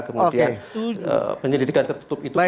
kemudian penyelidikan tertutup itu